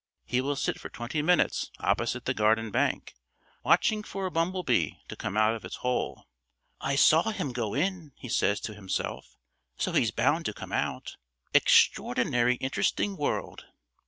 He will sit for twenty minutes opposite the garden bank, watching for a bumble bee to come out of its hole. "I saw him go in," he says to himself, "so he's bound to come out. Extraordinary interesting world."